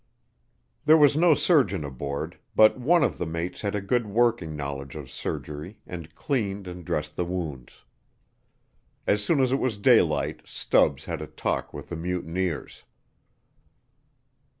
There was no surgeon aboard, but one of the mates had a good working knowledge of surgery and cleaned and dressed the wounds. As soon as it was daylight Stubbs had a talk with the mutineers.